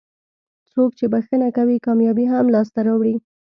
څوک چې بښنه کوي کامیابي هم لاسته راوړي.